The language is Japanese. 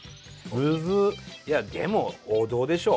いやでも王道でしょ。